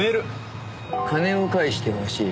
「金を返して欲しい。